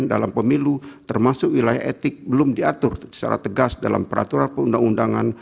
dalam pemilu termasuk wilayah etik belum diatur secara tegas dalam peraturan perundang undangan